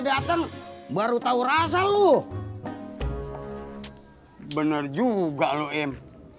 datang baru tahu rasa lu bener juga lu m